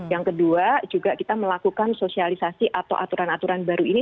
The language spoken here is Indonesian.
yang kedua juga kita melakukan sosialisasi atau aturan aturan baru ini